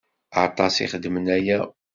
Aṭas i xeddmen aya.